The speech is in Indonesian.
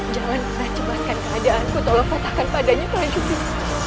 jangan mencemaskan keadaanku tolong patahkan padanya prajurit